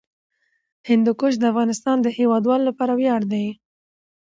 هندوکش د افغانستان د هیوادوالو لپاره ویاړ دی.